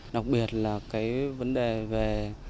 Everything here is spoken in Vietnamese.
đặc biệt là cái vấn đề về